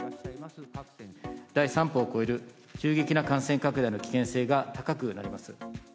第３波を超える急激な感染拡大の危険性が高くなります。